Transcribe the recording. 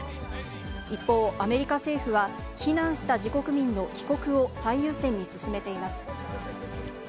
一方、アメリカ政府は避難した自国民の帰国を最優先に進めています。